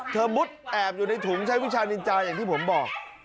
มุดแอบอยู่ในถุงใช้วิชานินจาอย่างที่ผมบอก